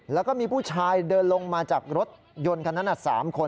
แล้วก็มีผู้ชายเดินลงมาจากรถยนต์คันนั้น๓คน